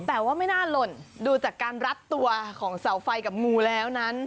แต่ว่าไม่น่าหล่นดูจากการรัดตัวของเสาไฟกับงูแล้วนั้น